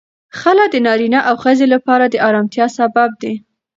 خلع د نارینه او ښځې لپاره د آرامتیا سبب دی.